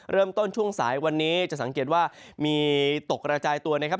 ช่วงสายวันนี้จะสังเกตว่ามีตกกระจายตัวนะครับ